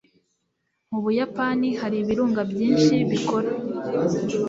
mu buyapani hari ibirunga byinshi bikora